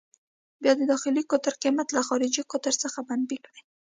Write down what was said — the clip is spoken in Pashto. بیا د داخلي قطر قېمت له خارجي قطر څخه منفي کړئ.